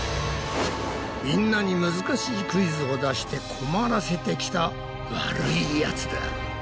みんなに難しいクイズを出して困らせてきた悪いヤツだ。